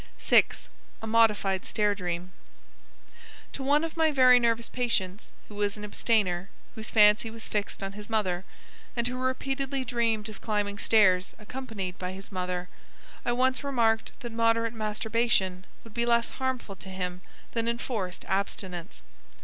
6. A modified stair dream. To one of my very nervous patients, who was an abstainer, whose fancy was fixed on his mother, and who repeatedly dreamed of climbing stairs accompanied by his mother, I once remarked that moderate masturbation would be less harmful to him than enforced abstinence.